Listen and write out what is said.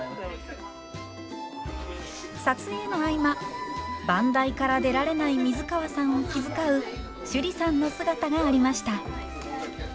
撮影の合間番台から出られない水川さんを気遣う趣里さんの姿がありました。